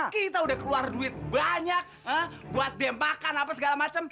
kita udah keluar duit banyak buat dembakan apa segala macam